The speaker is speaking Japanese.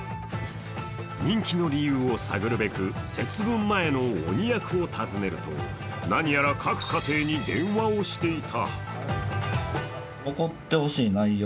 人気の理由を探るべく、節分前の鬼役を訪ねると何やら各家庭に電話をしていた。